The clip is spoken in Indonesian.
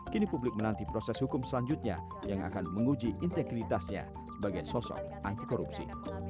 kini publik menanti proses hukum selanjutnya yang akan menguji integritasnya sebagai sosok anti korupsi